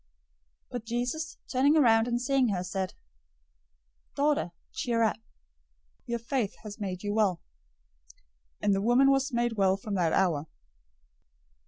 009:022 But Jesus, turning around and seeing her, said, "Daughter, cheer up! Your faith has made you well." And the woman was made well from that hour.